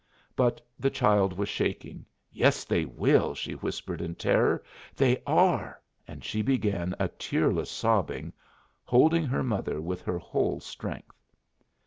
But the child was shaking. "Yes, they will," she whispered, in terror. "They are!" And she began a tearless sobbing, holding her mother with her whole strength.